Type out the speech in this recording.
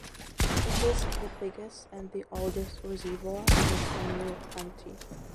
It is the biggest and the oldest reservoir in Penghu County.